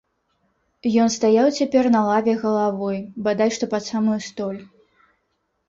Ён стаяў цяпер на лаве галавой бадай што пад самую столь.